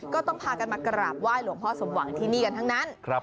ก็ต้องพากันมากราบไห้หลวงพ่อสมหวังที่นี่กันทั้งนั้น